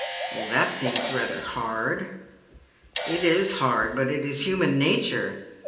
" That seems rather hard." " It is hard, but it is human nature.